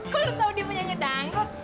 kok lu tau dia penyanyi dangdut